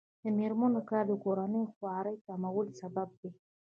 د میرمنو کار د کورنۍ خوارۍ کمولو سبب دی.